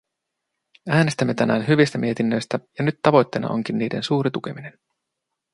Äänestämme tänään hyvistä mietinnöistä, ja nyt tavoitteena onkin niiden suuri tukeminen.